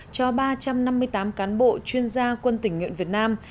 cho ba trăm năm mươi tám cán bộ chuyên gia quân tỉnh nguyện việt nam